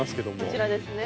こちらですね。